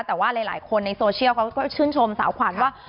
แต่ว่าหลายคนในโซเชียลเขาก็ชื่นชมสาวขวัญว่า